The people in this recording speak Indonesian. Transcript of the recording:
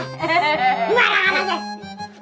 enggak enggak enggak